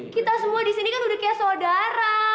kita semua di sini kan udah kayak saudara